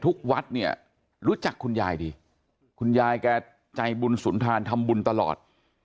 วัดเนี่ยรู้จักคุณยายดีคุณยายแกใจบุญสุนทานทำบุญตลอด